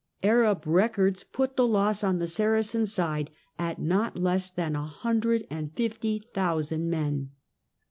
Arab records put the loss on the Saracen side at not less than a hundred and fifty thousand men.